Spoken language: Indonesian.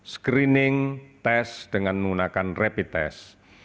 screening tes dengan menggunakan rapid test